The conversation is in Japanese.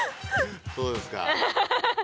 そうですか。